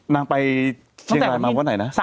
นางไปเชียงรายมาวันไหนนะ